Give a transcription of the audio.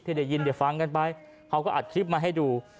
ได้ยินได้ฟังกันไปเขาก็อัดคลิปมาให้ดู